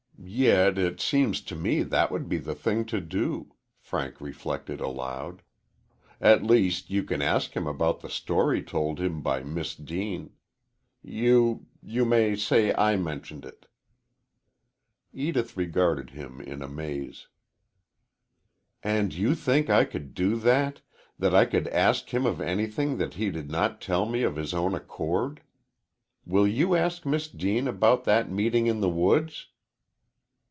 "Yet it seems to me that would be the thing to do," Frank reflected aloud. "At least, you can ask him about the story told him by Miss Deane. You you may say I mentioned it." Edith regarded him in amaze. "And you think I could do that that I could ask him of anything that he did not tell me of his own accord? Will you ask Miss Deane about that meeting in the woods?"